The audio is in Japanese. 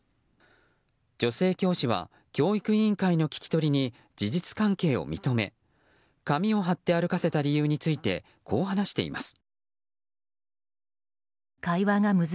女性教師は教育委員会の聞き取りに事実関係を認め紙を貼って歩かせた理由についてこう話しています。